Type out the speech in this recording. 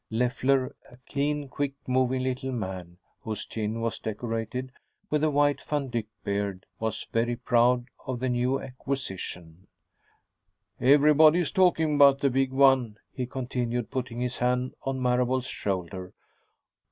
Leffler, a keen, quick moving little man, whose chin was decorated with a white Van Dyke beard, was very proud of the new acquisition. "Everybody is talking about the big one," he continued, putting his hand on Marable's shoulder.